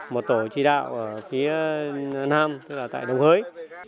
một tổ chỉ đạo ở phía nam tức là tại đồng hới